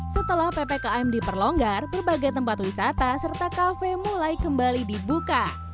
setelah ppkm diperlonggar berbagai tempat wisata serta kafe mulai kembali dibuka